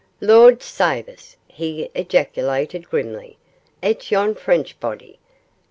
'Lord save us!' he ejaculated, grimly, 'it's yon French body.